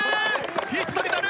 ヒットになる！